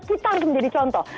kita harus menjadi contoh